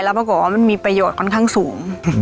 ปรากฏว่ามันมีประโยชน์ค่อนข้างสูง